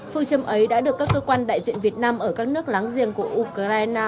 phương châm ấy đã được các cơ quan đại diện việt nam ở các nước láng giềng của ukraine